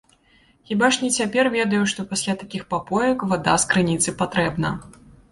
Хіба ж не цяпер ведаю, што пасля такіх папоек вада з крыніцы патрэбна.